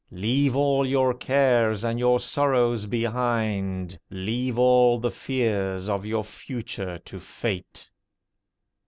Leave all your cares and your sorrows behind! Leave all the fears of your future to Fate!